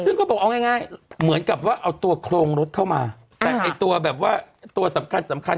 ซึ่งก็บอกเอาง่ายเหมือนกับว่าเอาตัวโครงรถเข้ามาแต่ไอ้ตัวแบบว่าตัวสำคัญสำคัญ